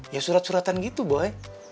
ya surat suratan gitu boleh